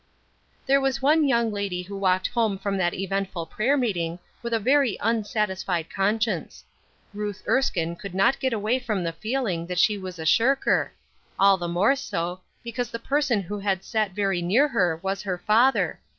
There was one young lady who walked home from that eventful prayer meeting with a very unsatisfied conscience. Ruth Erskine could not get away from the feeling that she was a shirker; all the more so, because the person who had sat very near her was her father!